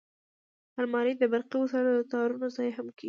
الماري د برقي وسایلو د تارونو ځای هم کېږي